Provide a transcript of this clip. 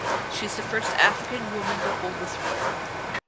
She is the first African woman to hold this role.